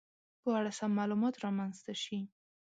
په اړه سم معلومات رامنځته شي